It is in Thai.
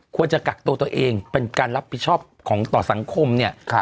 ควรจะกักตัวตัวเองเป็นการรับผิดชอบของต่อสังคมเนี่ย